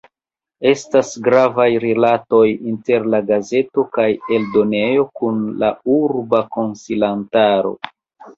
Estas gravaj rilatoj inter la gazeto kaj eldonejo kun la urba konsilantaro.